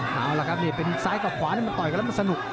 เอาล่ะครับนี่เป็นซ้ายกับขวานี่มันต่อยกันแล้วมันสนุก